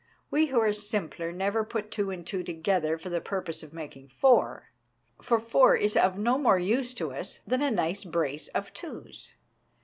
We who are simpler never put two and two together for the purpose of making four, for four is of no more use to us than a nice brace of twos.